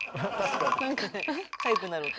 なんかねかゆくなる音。